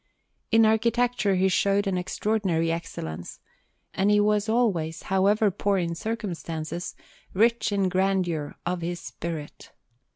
In architecture he showed an extraordinary excellence; and he was always, however poor in circumstances, rich in the grandeur of his spirit.